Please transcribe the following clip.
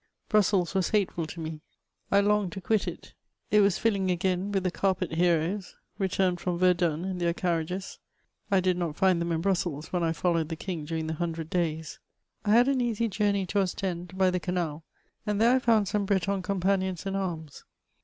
Brussels was hateful to me ; I longed to quit it ; it was fiUing again with the carpet heroes, returned from Verdun in their carriages. I did not find them in Brussels when I followed the king during the Hundred Days. I had an easy journey to Ostend hy the canal, and there I found some Breton companions in arms.